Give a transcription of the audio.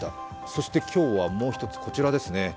そして今日は、もう一つこちらですね。